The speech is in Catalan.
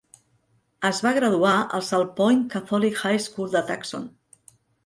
Es va graduar al Salpointe Catholic High School de Tucson.